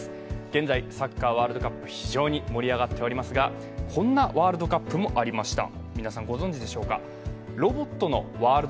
現在、サッカーワールドカップ非常に盛り上がっていますがこんなワールドカップもありました。